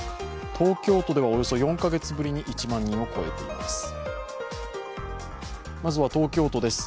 東京都ではおよそ４カ月ぶりに１万人を超えています。